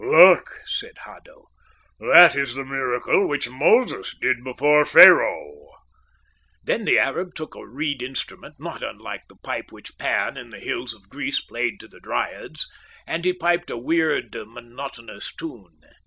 "Look," said Haddo. "That is the miracle which Moses did before Pharaoh." Then the Arab took a reed instrument, not unlike the pipe which Pan in the hills of Greece played to the dryads, and he piped a weird, monotonous tune.